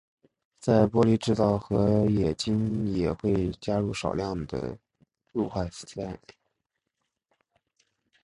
在玻璃制造和冶金也会加入少量的氯化锶。